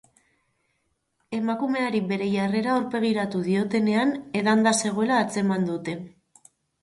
Emakumeari bere jarrera aurpegiratu diotenean, edanda zegoela atzeman dute.